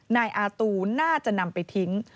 นายอาตูน่าจะนำไปทิ้ง